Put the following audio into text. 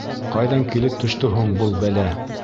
Ҡайҙан килеп төштө һуң был бәлә?